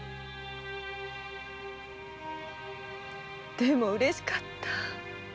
でもうれしかった。